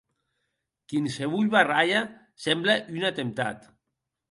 Quinsevolh barralha semble un atemptat.